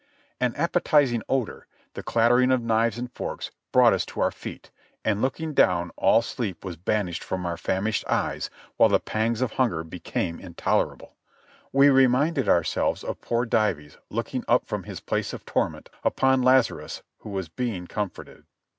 An appetizing odor, the clattering of knives and forks, brought us to our feet, and looking down all sleep was banished from our famished eyes while the pangs of hunger be came intolerable. We reminded ourselves of poor Dives looking up from his place of torment "upon Lazarus, who was being com forted."